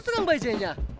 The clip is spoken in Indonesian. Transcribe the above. masa terang bajenya